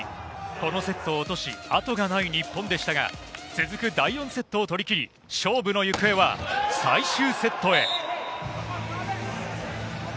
このセットを落とし、後がない日本でしたが、続く第４セットを取りきり勝負の行方は最終セットへ。